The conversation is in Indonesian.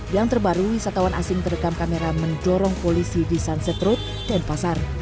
yang terbaru wisatawan asing terekam kamera mendorong polisi di sunset road dan pasar